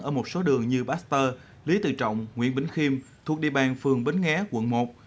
ở một số đường như baxter lý tự trọng nguyễn bính khiêm thuộc địa bàn phường bến nghé quận một